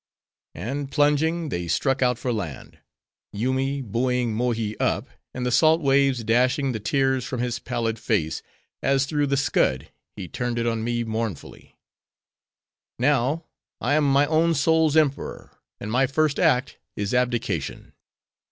And plunging, they struck out for land: Yoomy buoying Mohi up, and the salt waves dashing the tears from his pallid face, as through the scud, he turned it on me mournfully. "Now, I am my own soul's emperor; and my first act is abdication!